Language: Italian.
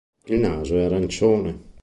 Il naso è arancione.